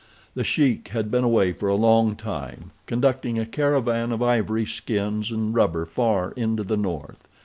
The Sheik had been away for a long time, conducting a caravan of ivory, skins, and rubber far into the north.